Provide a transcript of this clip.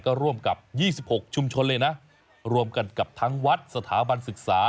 ก็ร่วมกับ๒๖ชุมชนเลยนะรวมกันกับทั้งวัดสถาบันศึกษา